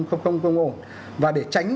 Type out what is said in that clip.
không ổn và để tránh